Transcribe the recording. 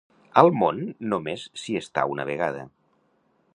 Al món només s'hi està una vegada.